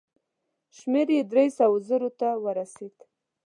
شمېر یې دریو سوو زرو ته ورسېد.